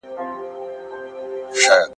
شکوڼ که حلال دئ، رنگ ئې د مردار دئ.